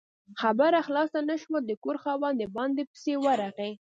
خبره خلاصه نه شوه، د کور خاوند د باندې پسې ورغی